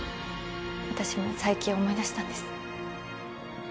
私も最近思い出したんです。